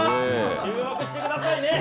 注目してくださいね。